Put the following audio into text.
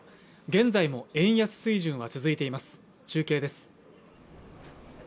現在も円安水準は続いています中継です